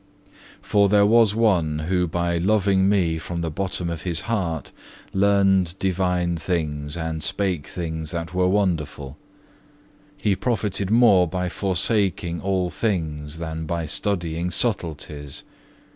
4. "For there was one, who by loving Me from the bottom of his heart, learned divine things, and spake things that were wonderful; he profited more by forsaking all things than by studying subtleties.